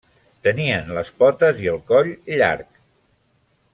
Tenien les potes i el coll llarg.